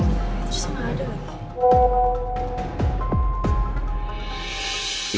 terserah ada lagi